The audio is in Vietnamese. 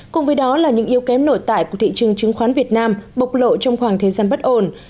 cùng với đó là những yêu kém nổi tại của thị trường chứng khoán việt nam bộc lộ trong khoảng thế gian bất ổn